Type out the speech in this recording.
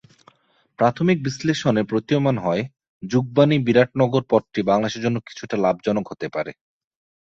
প্রাথমিক বিশ্লেষণে প্রতীয়মান হয়, যুগবাণী-বিরাটনগর পথটি বাংলাদেশের জন্য কিছুটা লাভজনক হতে পারে।